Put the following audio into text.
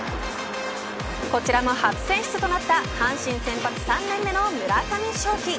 こちらも初選出となった阪神先発３年の村上頌樹。